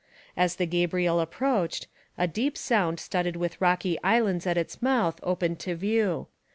As the Gabriel approached, a deep sound studded with rocky islands at its mouth opened to view.